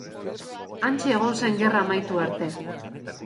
Hantxe egon zen gerra amaitu arte.